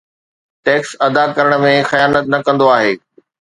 tax ادا ڪرڻ ۾ خيانت نه ڪندو آهي